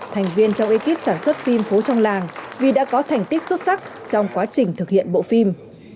thành viên trong ekip sản xuất phim phố trong làng vì đã có thành tích xuất sắc trong quá trình thực hiện bộ phim